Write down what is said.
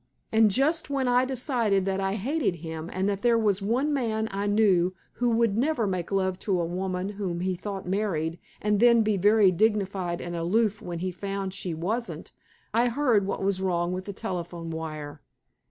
And just when I had decided that I hated him, and that there was one man I knew who would never make love to a woman whom he thought married and then be very dignified and aloof when he found she wasn't, I heard what was wrong with the telephone wire.